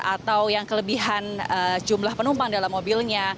atau yang kelebihan jumlah penumpang dalam mobilnya